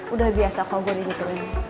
udah biasa kalo gua jadi gitu